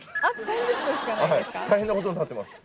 大変なことになってます。